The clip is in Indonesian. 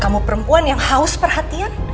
kamu perempuan yang haus perhatian